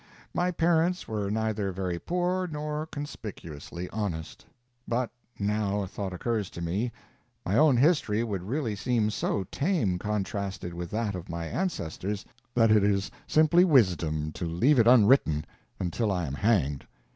My parents were neither very poor nor conspicuously honest. But now a thought occurs to me. My own history would really seem so tame contrasted with that of my ancestors, that it is simply wisdom to leave it unwritten until I am hanged.